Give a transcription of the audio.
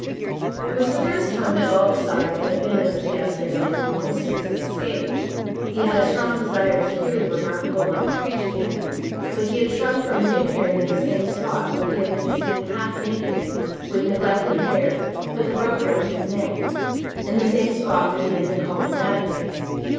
It was the first time that Baldassarre had been in the Piazza del Duomo since his escape. He had a strong desire to hear the remarkable monk preach again, but he had shrunk from reappearing in the same spot where he had been seen half naked, with neglected hair, with a rope round his neck—in the same spot where he had been called a madman.